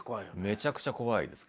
めちゃくちゃ怖いです